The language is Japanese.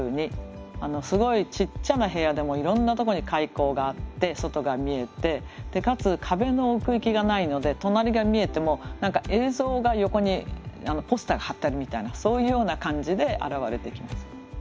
すごいちっちゃな部屋でもいろんなとこに開口があって外が見えてかつ壁の奥行きがないので隣が見えても何か映像が横にポスターが貼ってあるみたいなそういうような感じで現れてきます。